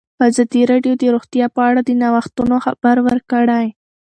ازادي راډیو د روغتیا په اړه د نوښتونو خبر ورکړی.